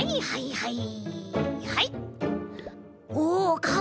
はい。